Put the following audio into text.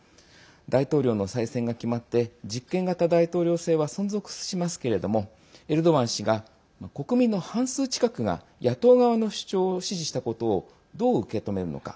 大統領の再選が決まって実権型大統領制は存続しますけれどもエルドアン氏が国民の半数近くが野党側の主張を支持したことをどう受け止めるのか。